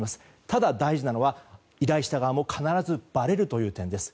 ただ、大事なのは依頼した側も必ずバレるという点です。